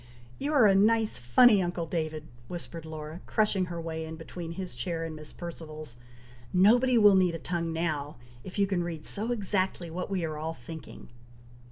"You are a nice, funny uncle David!" whispered Laura, crushing her way in between his chair and Miss Perceval's, "nobody will need a tongue now, if you can read so exactly what we are all thinking."